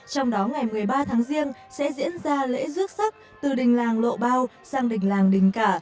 trong đó ngày một mươi ba tháng riêng sẽ diễn ra lễ rước sắc từ đình làng lộ bao sang đỉnh làng đình cả